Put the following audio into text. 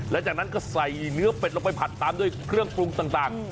แล้วจากนั้นก็ใส่เนื้อเป็ดลงไปผัดตามด้วยเครื่องปรุงต่าง